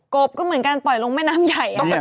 บก็เหมือนกันปล่อยลงแม่น้ำใหญ่